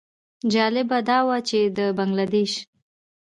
جالبه دا وه چې د بنګله دېش.